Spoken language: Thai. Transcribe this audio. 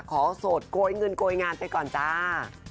โสดโกยเงินโกยงานไปก่อนจ้า